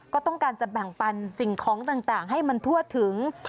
ก็ต้องการจะแบ่งปันสิ่งของต่างให้มันทั่วถึง